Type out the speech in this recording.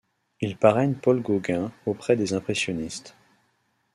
Il parraine Paul Gauguin auprès des impressionnistes.